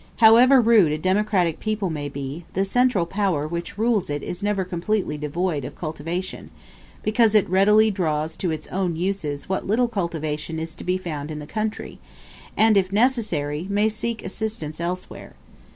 However rude a democratic people may be, the central power which rules it is never completely devoid of cultivation, because it readily draws to its own uses what little cultivation is to be found in the country, and, if necessary, may seek assistance elsewhere.